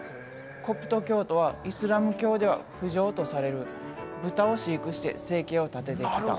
コプト教徒はイスラム教では不浄とされる豚を飼育して生計を立ててきた。